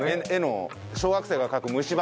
小学生が描く虫歯